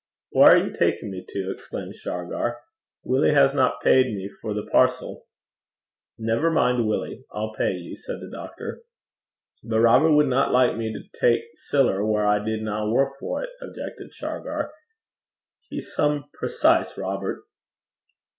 'Whaur are ye takin' me till?' exclaimed Shargar. 'Willie hasna payed me for the parcel.' 'Never mind Willie. I'll pay you,' said the doctor. 'But Robert wadna like me to tak siller whaur I did nae wark for 't,' objected Shargar. 'He's some pernickety (precise) Robert.